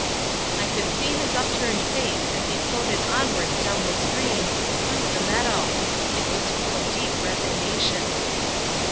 I could see his upturned face as he floated onwards down the stream, through the meadow! It was full of deep resignation.